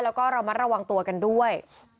แล้วก็ระมัดระวังตัวกันด้วย